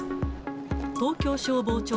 東京消防庁